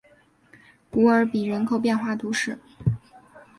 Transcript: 古尔比人口变化图示